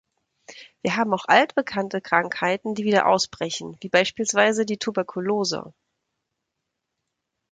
Wir haben auch altbekannte Krankheiten, die wieder ausbrechen, wie beispielsweise die Tuberkulose.